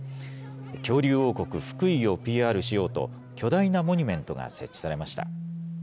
恐竜王国・福井をＰＲしようと、巨大なモニュメントが設置されました。